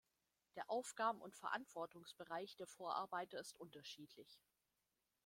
Der Aufgaben- und Verantwortungsbereich der Vorarbeiter ist unterschiedlich.